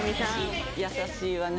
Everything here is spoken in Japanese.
優しいわね。